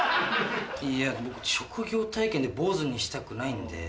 いや僕職業体験で坊ずにしたくないんで。